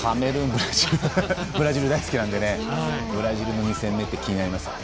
ブラジル、大好きなんでブラジルの２戦目って気になりますよね。